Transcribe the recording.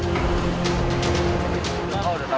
bagaimana perasaan anda